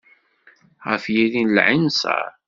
Ɣef yiri n lɛinṣer.